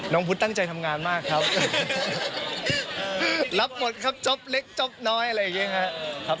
พุทธตั้งใจทำงานมากครับรับหมดครับจ๊อปเล็กจ๊อปน้อยอะไรอย่างนี้ครับ